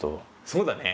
そうだね。